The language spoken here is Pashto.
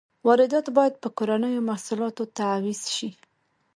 واردات باید په کورنیو محصولاتو تعویض شي.